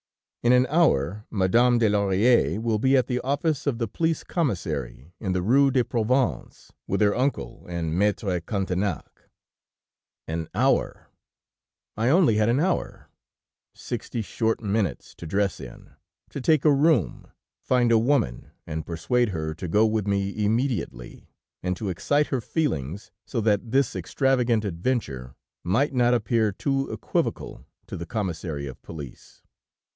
In an hour, Madame de Laurière will be at the office of the Police Commissary in the Rue de Provence, with her uncle and Maître Cantenac ...' "An hour; I only had an hour, sixty short minutes to dress in, to take a room, find a woman and persuade her to go with me immediately, and to excite her feelings, so that this extravagant adventure might not appear too equivocal to the Commissary of Police.